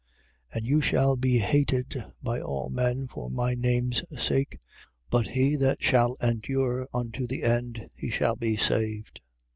13:13. And you shall be hated by all men for my name's sake. But he that shall endure unto the end, he shall be saved.